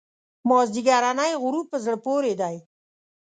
مازیګرنی غروب په زړه پورې دی.